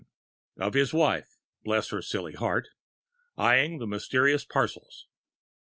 and of his wife bless her silly heart! eyeing the mysterious parcels....